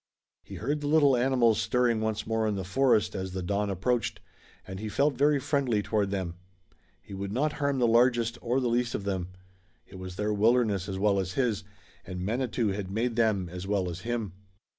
He heard the little animals stirring once more in the forest as the dawn approached, and he felt very friendly toward them. He would not harm the largest or the least of them. It was their wilderness as well as his, and Manitou had made them as well as him.